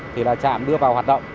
thì là trạm đưa vào hoạt động